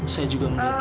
saya juga melihat